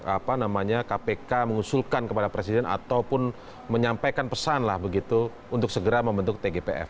apa namanya kpk mengusulkan kepada presiden ataupun menyampaikan pesan lah begitu untuk segera membentuk tgpf